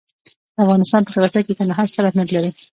د افغانستان په جغرافیه کې کندهار ستر اهمیت لري.